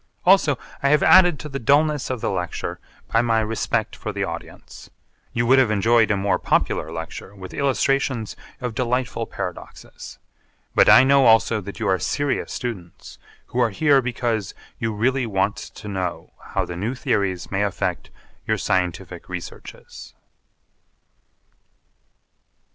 Also I have added to the dullness of the lecture by my respect for the audience. You would have enjoyed a more popular lecture with illustrations of delightful paradoxes. But I know also that you are serious students who are here because you really want to know how the new theories may affect your scientific researches.